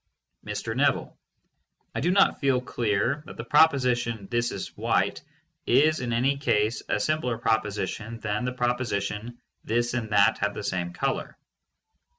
Mr. Neville : I do not feel clear that the proposition "This is white" is in any case a simpler proposition than the proposition "This and that have the same color."